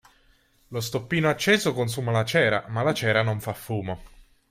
Lo stoppino acceso consuma la cera, ma la cera non fa fumo.